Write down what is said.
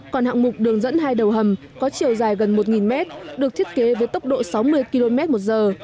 còn hạng mục đường dẫn hai đầu hầm có chiều dài gần một mét được thiết kế với tốc độ sáu mươi km một giờ